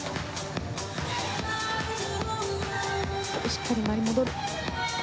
しっかり回って戻る。